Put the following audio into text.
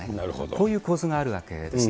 こういう構図があるわけです。